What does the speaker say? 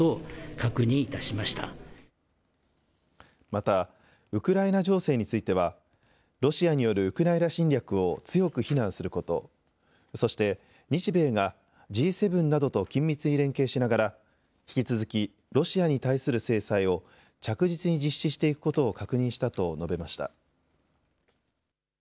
また、ウクライナ情勢についてはロシアによるウクライナ侵略を強く非難することそして、日米がＧ７などと緊密に連携しながら引き続きロシアに対する制裁を着実に実施していくことを確認したと述べました。